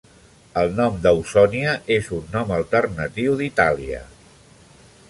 El nom d'Ausònia és un nom alternatiu d'Itàlia.